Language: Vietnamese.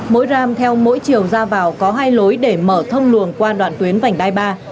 mỗi ram theo mỗi chiều ra vào có hai lối để mở thông luồng qua đoạn tuyến vành đai ba